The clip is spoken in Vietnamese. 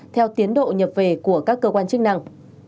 theo tiến độ nhập về của các cơ quan chức năng